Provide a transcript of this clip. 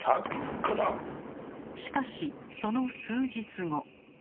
しかしその数日後。